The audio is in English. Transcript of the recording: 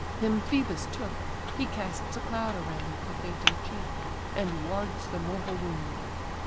Him Phœbus took: he casts a cloud around The fainting chief, and wards the mortal wound.